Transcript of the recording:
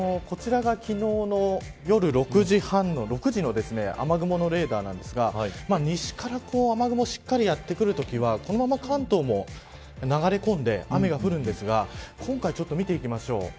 こちらが、昨日の夜６時の雨雲のレーダーなんですが西から雨雲がしっかりやってくるときはこのまま関東に流れ込んで雨が降るんですが今回ちょっと見ていきましょう。